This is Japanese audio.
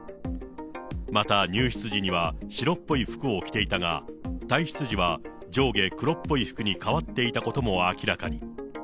また、入室時には白っぽい服を着ていたが、退室時は上下黒っぽい服に変わっていたことも明らかに。